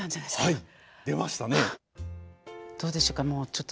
はい。